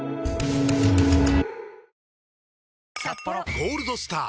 「ゴールドスター」！